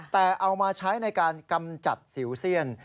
แต่เอามาใช้ในการกำจัดสิวเซียน